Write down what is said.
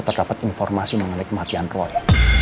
terdapat informasi mengenai kematian roy